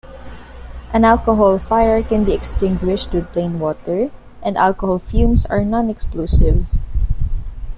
An alcohol fire can be extinguished with plain water, and alcohol fumes are non-explosive.